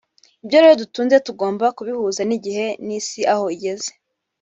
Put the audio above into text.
ibyo rero dutunze tugomba kubihuza n’igihe n’Isi aho igeze